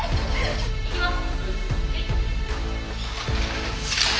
いきます。